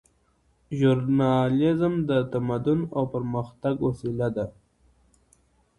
ژورنالیزم د تمدن او پرمختګ وسیله ده.